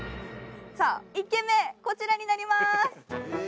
１軒目、こちらになります。